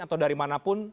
atau dari mana pun